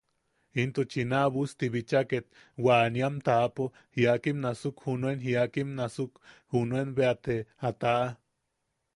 Intuchi naabusti bicha ket wa animam taʼapo jiakim nasuk junuen jiakim nasuk junuen bea te a taʼa.